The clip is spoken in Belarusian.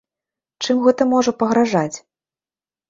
Чым гэта можа пагражаць?